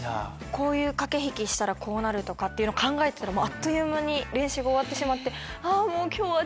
こういう駆け引きしたらこうなるとかっていうの考えてたらあっという間に練習が終わってしまって。